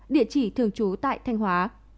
địa chỉ thường trú tại thanh hóa